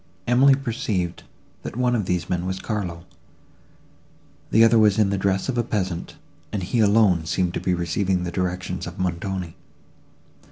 —Emily perceived, that one of these men was Carlo; the other was in the dress of a peasant, and he alone seemed to be receiving the directions of Montoni.